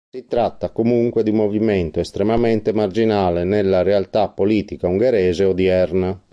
Si tratta comunque di un movimento estremamente marginale nella realtà politica ungherese odierna.